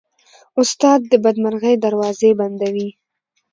استاد د بدمرغۍ دروازې بندوي.